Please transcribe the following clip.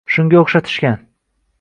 Shunga o`rgatishgan